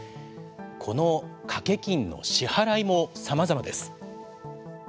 この賭け金の支払いもさまざまです。